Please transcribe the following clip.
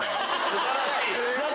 素晴らしい。